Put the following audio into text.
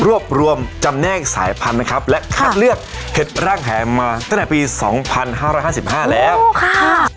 รวบรวมจำแน่งสายพันธุ์นะครับและคัดเลือกเห็ดร่างแหมาตั้งแต่ปีสองพันห้าร้ายห้าสิบห้าแล้วโอ้ค่ะ